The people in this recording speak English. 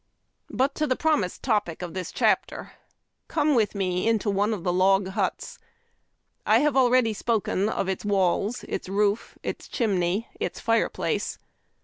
But to the promised topic of the chapter. Come with me into one of the log huts. I have already spoken of its walls, its roof, its chimney, its fire place.